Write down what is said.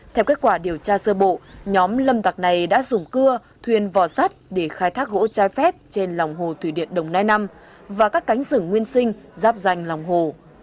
theo kết quả điều tra sơ bộ nhóm lâm tặc này đã dùng cưa thuyền vò sắt để khai thác gỗ trái phép trên lòng hồ thủy điện đồng nai năm và các cánh rừng nguyên sinh giáp danh lòng hồ